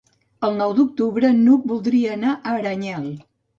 El nou d'octubre n'Hug voldria anar a Aranyel.